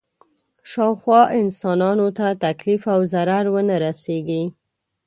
شاوخوا انسانانو ته تکلیف او ضرر ونه رسېږي.